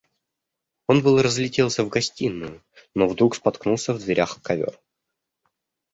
Он было разлетелся в гостиную, но вдруг споткнулся в дверях о ковер.